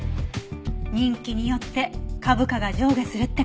人気によって株価が上下するって事？